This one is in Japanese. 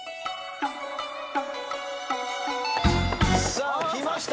さあきました。